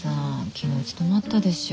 昨日うち泊まったでしょ。